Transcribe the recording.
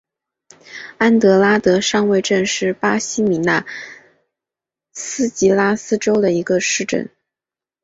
安德拉德上尉镇是巴西米纳斯吉拉斯州的一个市镇。